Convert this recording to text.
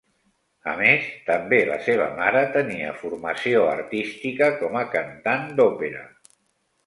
A més, també la seva mare tenia formació artística com a cantant d'òpera.